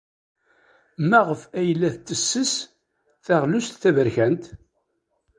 Maɣef ay la tettess taɣlust taberkant?